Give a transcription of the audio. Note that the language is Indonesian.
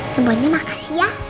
semuanya makasih ya